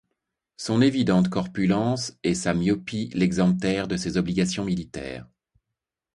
Son évidente corpulence et sa myopie l'exemptèrent de ses obligations militaires.